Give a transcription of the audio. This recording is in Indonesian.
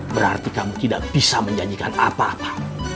berarti kamu tidak bisa menjanjikan apa apa